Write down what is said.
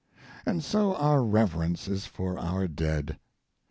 And so our reverence is for our dead.